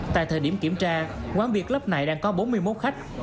tại thời điểm kiểm tra quán biệt lớp này đang có bốn mươi một khách